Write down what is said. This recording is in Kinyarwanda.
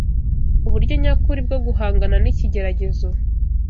Uburyo nyakuri bwo guhangana n’ikigeragezo